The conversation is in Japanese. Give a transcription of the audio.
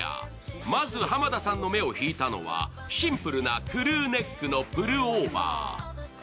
まず濱田さんの目を引いたのは、シンプルなクルーネックのプルオーバー。